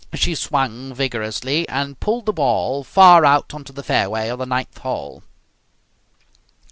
She swung vigorously, and pulled the ball far out on to the fairway of the ninth hole.